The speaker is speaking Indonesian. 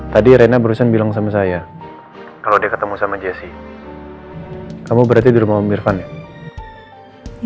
tadi rena barusan bilang sama saya kalau dia ketemu sama jessy kamu berarti dulu mau ambil van ya